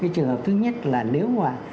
trường hợp thứ nhất là nếu mà